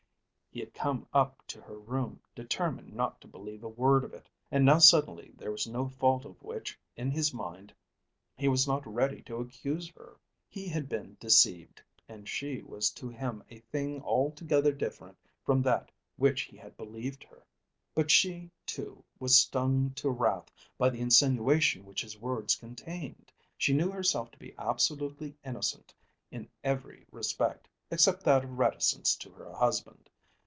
He had come up to her room determined not to believe a word of it. And now, suddenly, there was no fault of which in his mind he was not ready to accuse her. He had been deceived, and she was to him a thing altogether different from that which he had believed her. But she, too, was stung to wrath by the insinuation which his words contained. She knew herself to be absolutely innocent in every respect, except that of reticence to her husband.